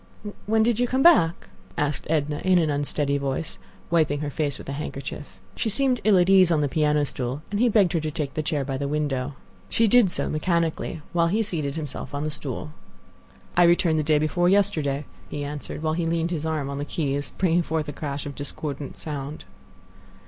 "When did you come back?" asked Edna in an unsteady voice, wiping her face with her handkerchief. She seemed ill at ease on the piano stool, and he begged her to take the chair by the window. She did so, mechanically, while he seated himself on the stool. "I returned day before yesterday," he answered, while he leaned his arm on the keys, bringing forth a crash of discordant sound.